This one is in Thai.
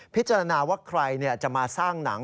พิจารณาว่าใครจะมาสร้างหนัง